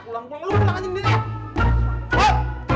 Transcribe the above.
lo cualang aja bentar